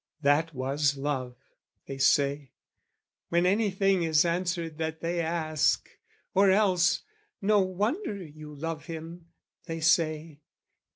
"That was love" they say, When anything is answered that they ask: Or else "No wonder you love him" they say.